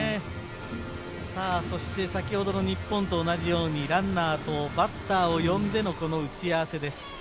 先ほどの日本と同じようにランナーとバッターを呼んでの打ち合わせです。